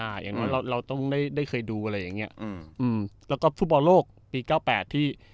เคยดูอะไรอย่างเงี้ยอืมอืมแล้วก็ภูมิประโยชน์โลกปีเก้าแปดที่